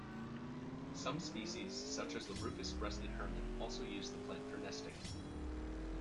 Some species such as the rufous-breasted hermit also use the plant for nesting.